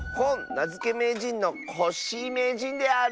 なづけめいじんのコッシーめいじんである。